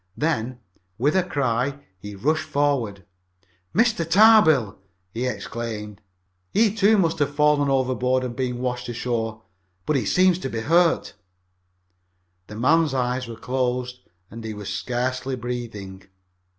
Then, with a cry, he rushed forward. "It's Mr. Tarbill!" he exclaimed. "He, too, must have fallen overboard and been washed ashore. But he seems to be hurt." The man's eyes were closed and he was scarcely breathing.